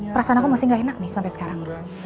perasaan aku masih gak enak nih sampai sekarang